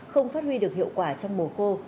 không phát huy được hiệu quả trong mùa khô